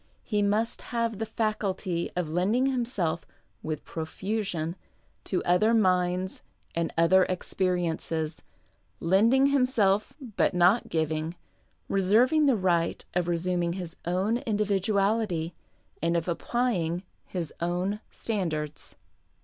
He must have the faculty of lending himself, with profusion, to other minds and other experiences — lending himself, but not giving, reserving the right of resuming his own individuality and of applying his own standards.